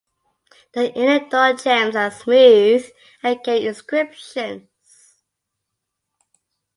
The inner door jambs are smooth and carry inscriptions.